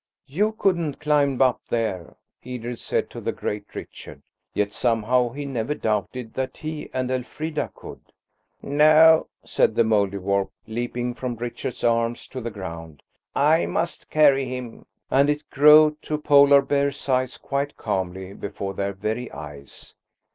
"You couldn't climb up there," Edred said to the great Richard; yet somehow he never doubted that he and Elfrida could. "No," said the Mouldiwarp, leaping from Richard's arms to the ground, "I must carry him"–and it grew to Polar bear size quite calmly before their very eyes.